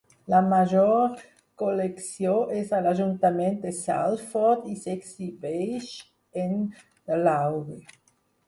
La major col·lecció és a l'ajuntament de Salford i s'exhibeix en The Lowry.